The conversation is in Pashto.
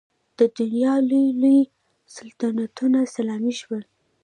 د دنیا لوی لوی سلطنتونه سلامي شول.